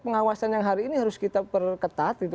pengawasan yang hari ini harus kita perketat gitu